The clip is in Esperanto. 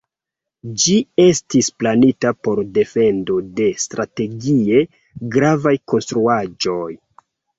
Ĝi estis planita por defendo de strategie gravaj konstruaĵoj.